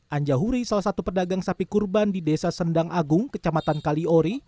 anjahuri salah satu pedagang sapi kurban di desa sendang agung kecamatan kaliori